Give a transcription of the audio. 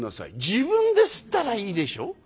「自分ですったらいいでしょ？」。